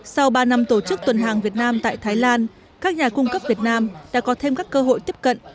sau ba năm tổ chức tuần hàng việt nam tại thái lan các nhà cung cấp việt nam đã có thêm các cơ hội tiếp cận